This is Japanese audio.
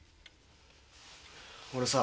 俺さ。